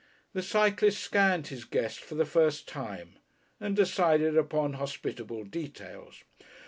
The cyclist scanned his guest for the first time and decided upon hospitable details.